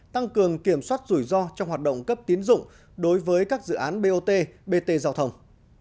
tăng cường kiểm soát rủi ro trong hoạt động cấp tiến dụng đối với các dự án bot bt giao thông